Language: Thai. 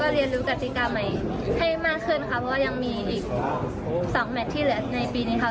เพราะว่ายังมีอีก๒แมทที่เหลือในปีนี้ค่ะ